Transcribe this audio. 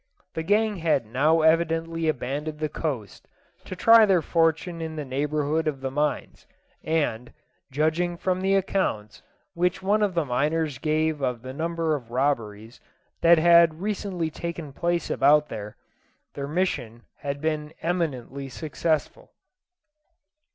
The gang had now evidently abandoned the coast to try their fortune in the neighbourhood of the mines, and, judging from the accounts which one of the miners gave of the number of robberies that had recently taken place about there, their mission had been eminently successful.